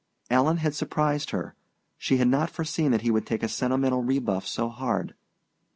Alan had surprised her: she had not foreseen that he would take a sentimental rebuff so hard.